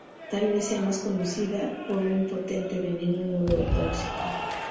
Tal vez sea más conocida por un potente veneno neurotóxico.